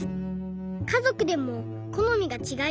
かぞくでもこのみがちがいます。